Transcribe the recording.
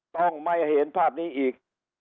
ต้องไม่เห็นภาพนี้อีก